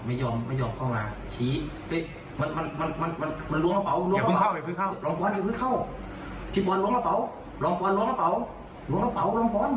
ไม่ยอมเข้ามามันล้วงระเป๋าล้วงระเป๋าล้วงระเป๋าล้วงระเป๋าล้วงระเป๋า